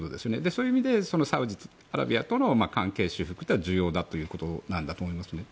そういう意味でサウジアラビアとの関係修復というのは重要だということなんだと思います。